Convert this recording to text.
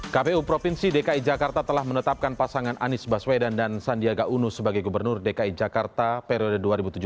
kpu provinsi dki jakarta telah menetapkan pasangan anies baswedan dan sandiaga uno sebagai gubernur dki jakarta periode dua ribu tujuh belas dua ribu dua puluh